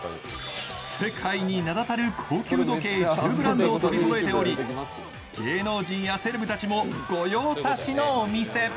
世界に名だたる高級時計１０ブランドを取りそろえており芸能人やセレブたちも御用達のお店。